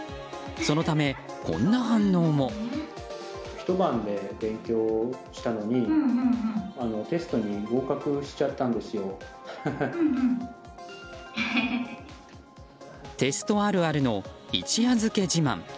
そのためこんな反応も。テストあるあるの一夜漬け自慢。